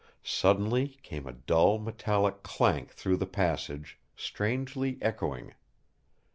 Suddenly came a dull metallic clank through the passage, strangely echoing.